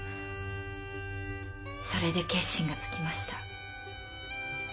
それで決心がつきました。